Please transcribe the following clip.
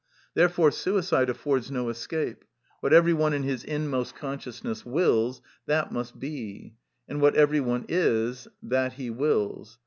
Therefore suicide affords no escape; what every one in his inmost consciousness wills, that must he be; and what every one is, that he wills.